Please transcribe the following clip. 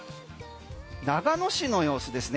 長野市の様子ですね。